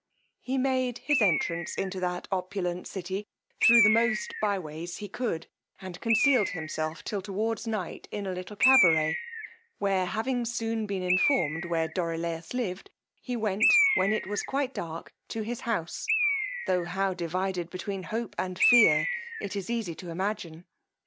He made his entrance into that opulent city through the most bye ways he could, and concealed himself till towards night in a little cabaret, where having soon been informed where Dorilaus lived, he went when it was quite dark to his house, though how divided between hope and fear it is easy to imagine.